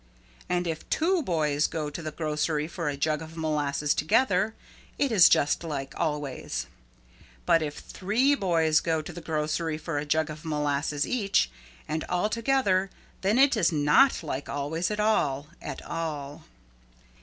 And if two boys go to the grocery for a jug of molasses together it is just like always. But if three boys go to the grocery for a jug of molasses each and all together then it is not like always at all, at all.